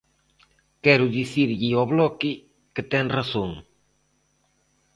Quero dicirlle ao Bloque que ten razón.